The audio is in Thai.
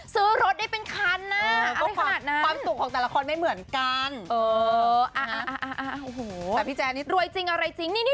ซื้อรถได้เป็นคันนะ